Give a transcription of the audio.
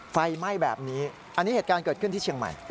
ไฟไหม้แบบนี้อันนี้เหตุการณ์เกิดขึ้นที่เชียงใหม่